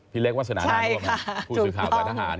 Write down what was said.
ที่เรียกว่าสนานาผู้สื่อข่าวสายทหาร